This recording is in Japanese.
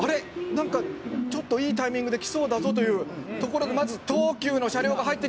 なんかちょっといいタイミングで来そうだぞというところでまず東急の車両が入ってきました」